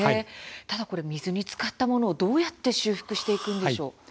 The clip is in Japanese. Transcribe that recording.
ただ水につかったものをどうやって修復していくんでしょうか。